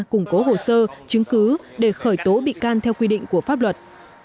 củng cố hồ sơ chứng cứ để khởi tố bị can theo quy định của pháp luật